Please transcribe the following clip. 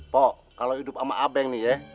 pok kalau hidup sama abang nih ya